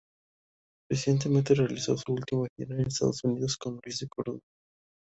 Recientemente, realizó su última gira a Estados Unidos con Luis de Córdoba.